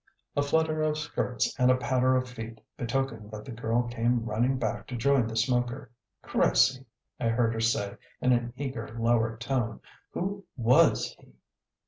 A flutter of skirts and a patter of feet betokened that the girl came running back to join the smoker. "Cressie," I heard her say in an eager, lowered tone, "who WAS he?"